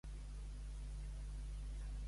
Ser un pipioli.